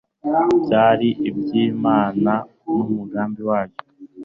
byari iby Imana n'umugambi wayo